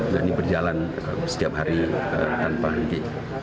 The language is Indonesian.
dan ini berjalan setiap hari tanpa henti